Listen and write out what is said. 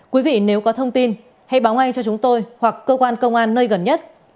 quý vị nếu có thông tin hãy báo ngay cho chúng tôi hoặc cơ quan công an nơi gần nhất